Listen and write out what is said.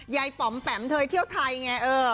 ยายปำแปำเธอยเที่ยวไทยไง